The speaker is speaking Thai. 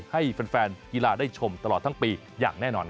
ให้แฟนกีฬาได้ชมตลอดทั้งปีอย่างแน่นอน